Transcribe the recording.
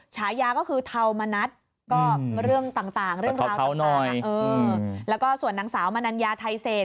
ฉายาก็คือเทามณัฐก็เรื่องต่างเรื่องราวต่างแล้วก็ส่วนนางสาวมนัญญาไทยเศษ